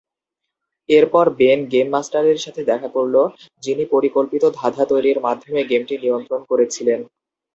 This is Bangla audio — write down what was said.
এরপর বেন গেম মাস্টারের সাথে দেখা করল, যিনি পরিকল্পিত ধাঁধা তৈরির মাধ্যমে গেমটি নিয়ন্ত্রণ করেছেন।